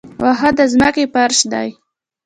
واښه د ځمکې فرش دی